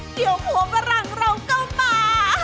เดี๋ยวหัวฝรั่งเราก็มา